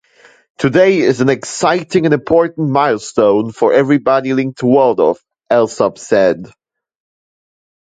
"Today is an exciting and important milestone for everybody linked to Waldorf", Alsop said.